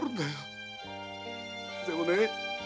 でもね